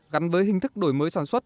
gắn với hình thức đổi mới sản xuất